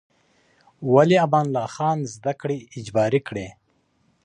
ولې امان الله خان زده کړې اجباري کړې؟